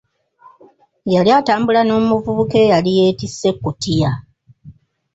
Yali atambula n'omuvubuka eyali yettisse ekutiya.